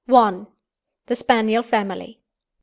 THE SPANIEL FAMILY.